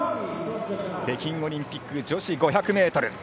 北京オリンピック女子５００ｍ。